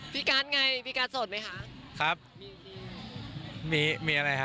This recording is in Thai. พี่กัลสดแหละ